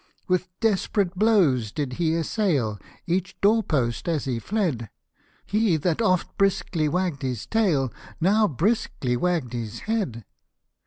119 With desperate blows did he assail Each door post as he fled ; He that oft' briskly wagg'd his tail, Now briskly wagg'd his head.